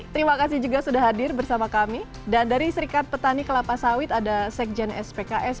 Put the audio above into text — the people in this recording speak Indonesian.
terima kasih juga sudah hadir bersama kami dan dari serikat petani kelapa sawit ada sekjen spks